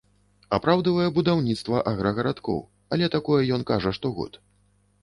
Апраўдвае будаўніцтва аграгарадкоў, але такое ён кажа штогод.